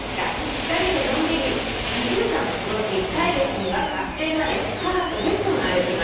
「２人でのんびり２週間過ごし帰る日にはバス停まで母と１０分歩きました」